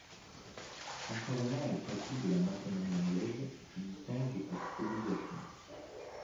Contrairement aux pratiques de la maçonnerie anglaise, qui dispensent de cette obligation.